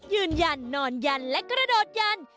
ยืนยันนอนยันและกระโดดยัน